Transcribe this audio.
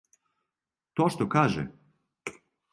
То што каже.